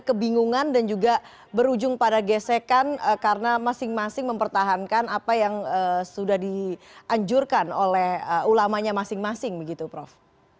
kebingungan dan juga berujung pada gesekan karena masing masing mempertahankan apa yang sudah dianjurkan oleh ulamanya masing masing begitu prof